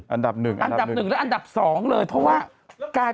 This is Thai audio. อันดับ๑อันดับ๑และอันดับ๒เลยเพราะว่ากาเป็น